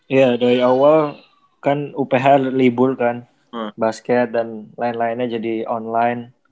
iya dari awal kan uph libur kan basket dan lain lainnya jadi online